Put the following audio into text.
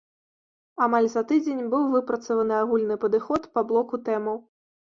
Амаль за тыдзень быў выпрацаваны агульны падыход па блоку тэмаў.